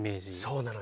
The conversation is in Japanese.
そうなの。